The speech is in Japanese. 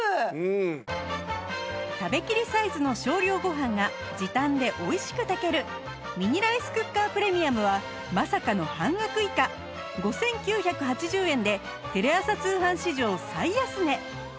食べきりサイズの少量ご飯が時短で美味しく炊けるミニライスクッカープレミアムはまさかの半額以下５９８０円でテレ朝通販史上最安値